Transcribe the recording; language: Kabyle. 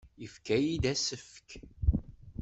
Yefka-iyi-d asefk.